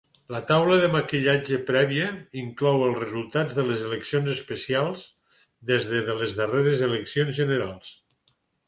La taula de Maquillatge prèvia inclou els resultats de les eleccions especials des de les darreres eleccions generals.